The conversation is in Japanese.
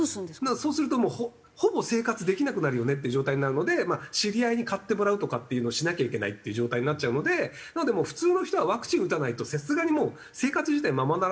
そうするともうほぼ生活できなくなるよねっていう状態になるので知り合いに買ってもらうとかっていうのをしなきゃいけないっていう状態になっちゃうのでなのでもう普通の人はワクチン打たないとさすがにもう生活自体ままなら